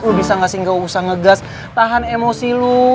lu bisa gak sih gak usah ngegas tahan emosi lu